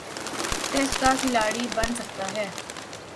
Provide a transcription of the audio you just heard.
Test کا کھلاڑی بن سکتا ہے۔